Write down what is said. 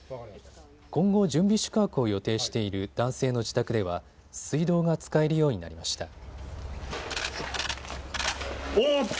今後、準備宿泊を予定している男性の自宅では水道が使えるようになりました。